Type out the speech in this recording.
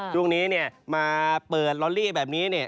ช่วงนี้เนี่ยมาเปิดลอลลี่แบบนี้เนี่ย